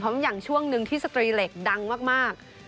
เพราะอย่างช่วงหนึ่งที่สตรีเหล็กดังมาก